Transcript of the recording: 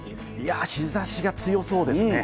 日差しが強そうですね。